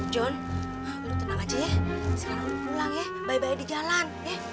jon lo tenang aja ya sekarang lo pulang ya bayi bayi di jalan